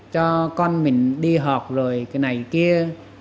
cho con mình đi học rồi cái này kia